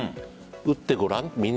撃ってごらん。